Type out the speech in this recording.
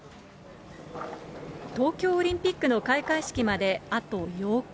東京オリンピックの開会式まであと８日。